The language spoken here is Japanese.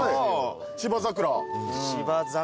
芝桜。